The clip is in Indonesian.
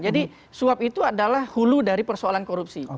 jadi suap itu adalah hulu dari persoalan korupsi